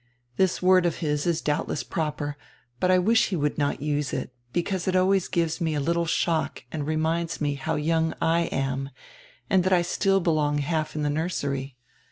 This word of his is doubtless proper, but I wish he would not use it, because it always give me a little shock and reminds me how young I am and that I still half belong in the nursery.